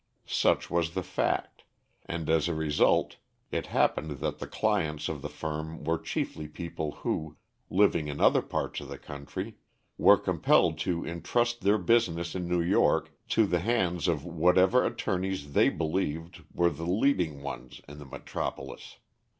Such was the fact; and as a result it happened that the clients of the firm were chiefly people who, living in other parts of the country, were compelled to intrust their business in New York to the hands of whatever attorneys they believed were the leading ones in the metropolis.